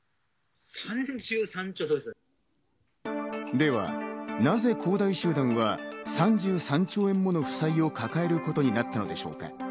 では、なぜ恒大集団は３３兆円もの負債を抱えることになったのでしょうか。